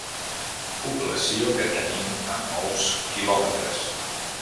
Població que tenim a molts quilòmetres.